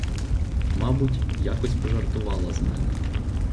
Мабуть, якась пожартувала з мене.